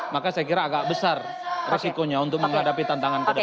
maka saya kira agak besar resikonya untuk menghadapi tantangan kedepan